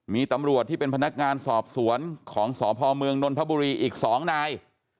มีตำรวจที่เป็นพนักงานสอบสวนของสพเมืองนนทบุรีอีก๒นาย